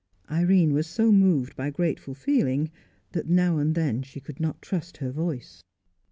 Irene was so moved by grateful feeling, that now and then she could not trust her voice.